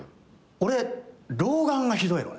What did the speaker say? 俺老眼がひどいのね。